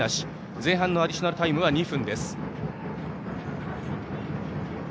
前半アディショナルタイムは２分。